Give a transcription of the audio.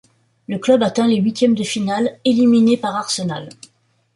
Le club atteint les huitièmes de finale, éliminé par Arsenal.